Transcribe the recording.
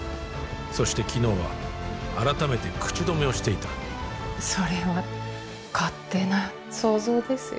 そして昨日は改めて口止めをしていたそれは勝手な想像ですよね？